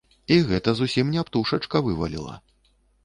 А гэта зусім не птушачка вываліла.